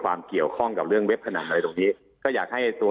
ความเกี่ยวข้องกับเรื่องเว็บพนันอะไรตรงนี้ก็อยากให้ตัว